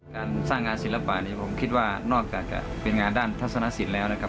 การสร้างงานศิลปะเนี่ยผมคิดว่านอกจากจะเป็นงานด้านทัศนสินแล้วนะครับ